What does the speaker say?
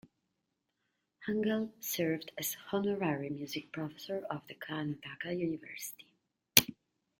Hangal served as honorary music professor of the Karnataka University.